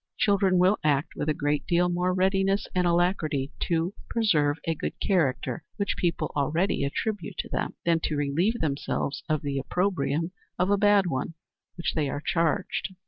Children will act with a great deal more readiness and alacrity to preserve a good character which people already attribute to them, than to relieve themselves of the opprobrium of a bad one with which they are charged.